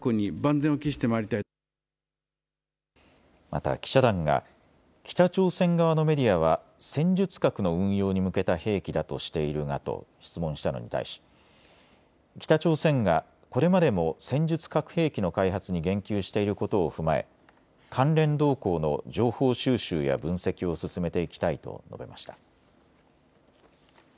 また記者団が北朝鮮側のメディアは戦術核の運用に向けた兵器だとしているがと質問したのに対し北朝鮮がこれまでも戦術核兵器の開発に言及していることを踏まえ関連動向の情報収集や分析を進めていきたいと述べました。